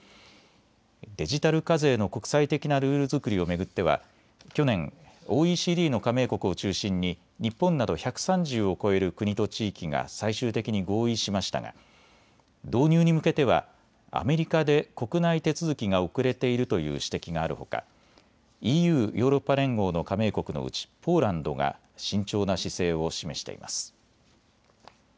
デジタル課税の国際的なルール作りを巡っては去年、ＯＥＣＤの加盟国を中心に日本など１３０を超える国と地域が最終的に合意しましたが導入に向けてはアメリカで国内手続きが遅れているという指摘があるほかＥＵ・ヨーロッパ連合の加盟国のうちポーランドが慎重な姿勢を示しています。